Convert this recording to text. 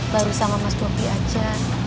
baru sama mas bobi aja